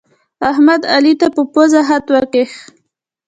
احمد، علي ته په پزه خط وکيښ.